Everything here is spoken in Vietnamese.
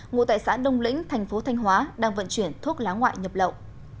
ngụ tại xã đông lĩnh tp thanh hóa đang vận chuyển thuốc lá ngoại nhập lậu